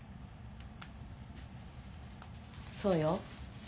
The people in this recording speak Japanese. そうよ。